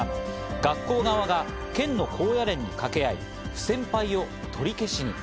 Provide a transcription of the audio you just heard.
学校側が県の高野連に掛け合い、不戦敗を取り消しに。